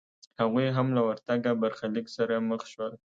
هغوی هم له ورته برخلیک سره مخ شول.